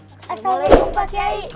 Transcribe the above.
assalamualaikum pak kiai